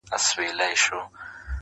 هر ماځيگر تبه، هره غرمه تبه,